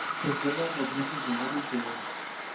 Funciona los meses de enero y febrero.